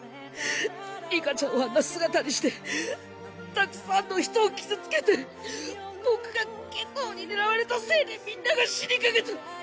里香ちゃんをあんな姿にしてたくさんの人を傷つけて僕が夏油に狙われたせいでみんなが死にかけた。